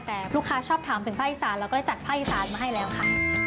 แต่ลูกค้าชอบถามถึงภาษีสารเราก็เลยจัดภาษีสารมาให้แล้วค่ะ